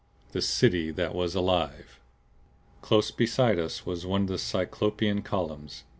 THE CITY THAT WAS ALIVE Close beside us was one of the cyclopean columns.